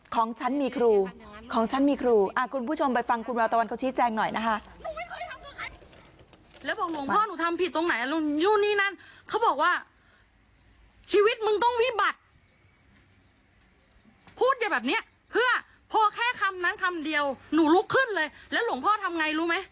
ของฉันมีครูของฉันมีครูคุณผู้ชมไปฟังคุณวาวตะวันเขาชี้แจงหน่อยนะคะ